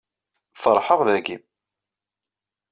Feṛḥeɣ dagi.